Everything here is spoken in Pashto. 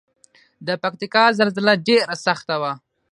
د پکتیکا زلزله ډیره سخته وه